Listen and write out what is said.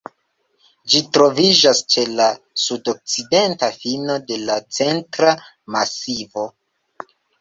Ĝi troviĝas ĉe la sudokcidenta fino de la Centra Masivo.